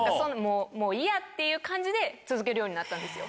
もういいやっていう感じで続けるようになったんですよ。